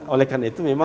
oleh karena itu memang